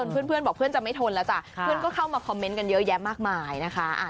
เพื่อนก็เข้ามาคอมเมนต์กันเยอะแยะมากมายนะคะ